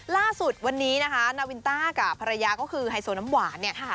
ล่าสุดวันนี้นะคะนาวินต้ากับภรรยาก็คือไฮโซน้ำหวานเนี่ย